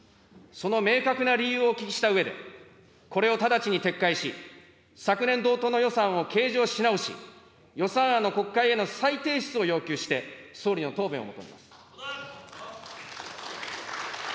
その明確な理由をお聞きしたうえで、これを直ちに撤回し、昨年同等の予算を計上し直し、予算案の国会への再提出を要求して、総理の答弁を求めます。